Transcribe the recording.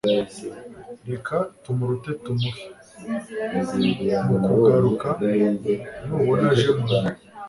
reka tumurute tumuhe. mu kugaruka nubona aje mu rugo